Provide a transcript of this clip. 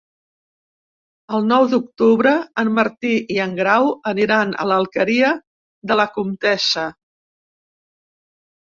El nou d'octubre en Martí i en Grau aniran a l'Alqueria de la Comtessa.